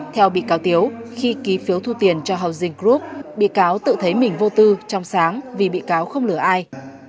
theo bị cáo tiếu khi ký phiếu thu tiền cho houging group bị cáo tự thấy mình vô tư trong sáng vì bị cáo không lừa ai